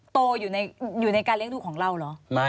โตอยู่ในการเลี้ยงดูของเราเหรอ